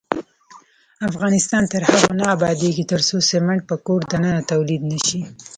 افغانستان تر هغو نه ابادیږي، ترڅو سمنټ په کور دننه تولید نشي.